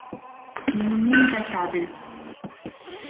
Nous nous mîmes à table.